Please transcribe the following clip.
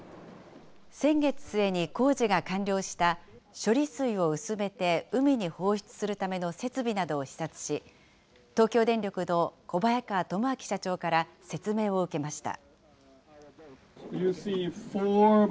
先月末に工事が完了した処理水を薄めて海に放出するための設備などを視察し、東京電力の小早川智明社長から説明を受けました。